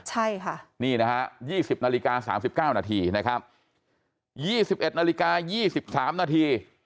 ใช่ค่ะนี่นะฮะยี่สิบนาฬิกาสามสิบเก้านาทีนะครับยี่สิบเอ็ดนาฬิกายี่สิบสามนาที